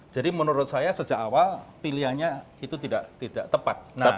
jadi menurut saya sejak awal pilihannya itu tidak tepat